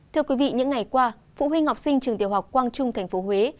thưa quý vị những ngày qua phụ huynh học sinh trường tiểu học quang trung tp huế